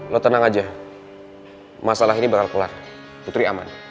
lo tenang aja masalah ini bakal kelar putri aman